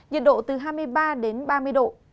nhiệt độ từ hai mươi ba đến ba mươi độ